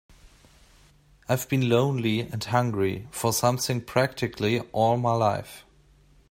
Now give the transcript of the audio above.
I've been lonely and hungry for something practically all my life.